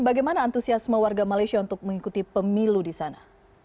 bagaimana antusiasme warga malaysia untuk mengikuti pemilu di sana